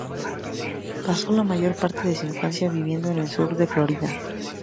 Pasó la mayor parte de su infancia viviendo en el sur de Florida.